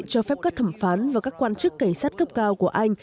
cho phép các thẩm phán và các quan chức cảnh sát cấp cao của anh